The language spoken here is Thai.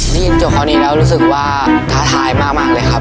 ได้ยินจบคราวนี้แล้วรู้สึกว่าท้าทายมากเลยครับ